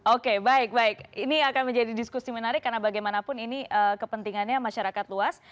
oke baik baik ini akan menjadi diskusi menarik karena bagaimanapun ini kepentingannya masyarakat luas